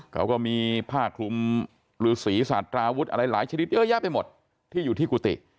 เขาก็มีผ้าคลุมฤษีสาตราวุฒิอะไรหลายชนิดเยอะแยะไปหมดที่อยู่ที่กุฏิ